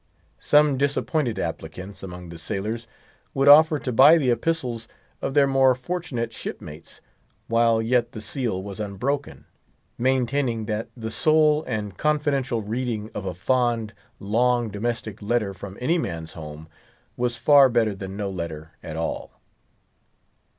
Some disappointed applicants among the sailors would offer to buy the epistles of their more fortunate shipmates, while yet the seal was unbroken—maintaining that the sole and confidential reading of a fond, long, domestic letter from any man's home, was far better than no letter at all.